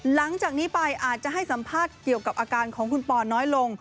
หลังจากนี้ไปอาจจะให้สัมภาษณ์เกี่ยวกับอาการของคุณปอน้อยลง